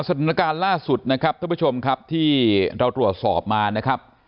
สถานการณ์ล่าสุดที่เราตรวจสอบมานะครับ